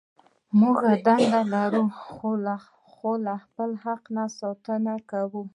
موږ دنده لرو له خپل حق ساتنه وکړو.